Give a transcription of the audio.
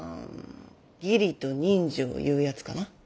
義理と人情いうやつかな。